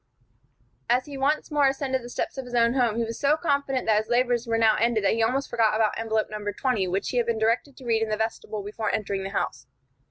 As he once more ascended the steps of his own home, he was so confident that his labors were now ended that he almost forgot about envelope No. 20, which he had been directed to read in the vestibule before entering the house.